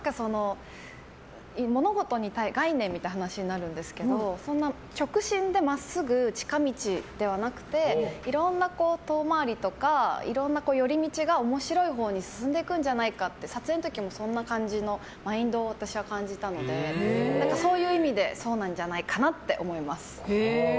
物事の概念みたいな話になるんですけど直進で真っすぐ近道ではなくていろんな遠回りとかいろんな寄り道が面白いほうに進んでいくんじゃないかって撮影の時も、そんな感じのマインドを私は感じたのでそういう意味で、そうなんじゃないかなって思います。